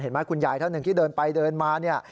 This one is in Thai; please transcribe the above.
เห็นไหมคุณยายเท่านึงที่เดินไปเดินมา